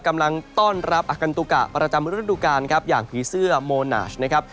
กำลังต้อนรับอากันตุกะประจำฤดูกาลครับอย่างผีเสื้อโมนาชนะครับ